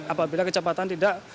apabila kecepatan tidak